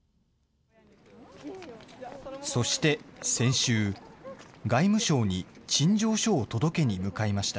そして先週、外務省に陳情書を届けに向かいました。